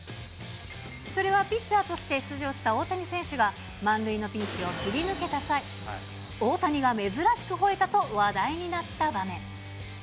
それはピッチャーとして出場した大谷選手が、満塁のピンチを切り抜けた際、大谷が珍しくほえたと話題になった場面。